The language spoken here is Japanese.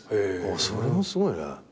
それもすごいね。